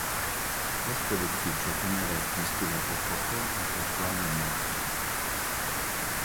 Questo edificio venne eretto in stile rococò in quattro anni e mezzo.